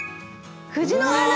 藤の花。